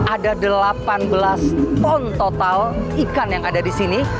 ada delapan belas ton total ikan yang ada di sini